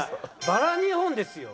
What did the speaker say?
バラ２本ですよ。